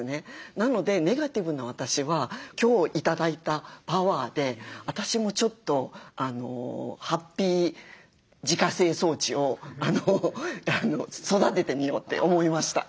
なのでネガティブな私は今日頂いたパワーで私もちょっとハッピー自家製装置を育ててみようって思いました。